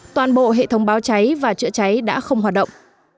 toàn bộ hệ thống báo cháy và chữa cháy đã không hoạt động